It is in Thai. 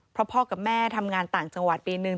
เพราะพ่อกับแม่ทำงานต่างจังหวัดปีหนึ่ง